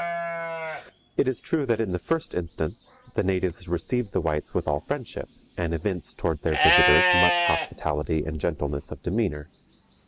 It is true that in the first instance the natives received the whites with all friendship, and evinced toward their visitors much hospitality and gentleness of demeanor.